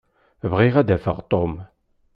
Bɣiɣ ad d-afeɣ Tom.